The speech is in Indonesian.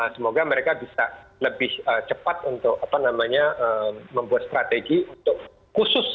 semoga mereka bisa lebih cepat untuk membuat strategi untuk membuat strategi untuk membuat strategi